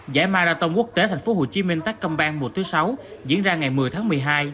giải marathon quốc tế tp hcm tác công bang mùa thứ sáu diễn ra ngày một mươi tháng một mươi hai